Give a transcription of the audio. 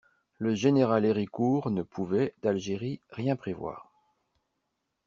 Le général Héricourt ne pouvait, d'Algérie, rien prévoir.